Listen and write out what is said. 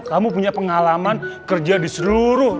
kamu punya pengalaman kerja di seluruh